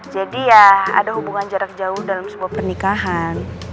jadi ya ada hubungan jarak jauh dalam sebuah pernikahan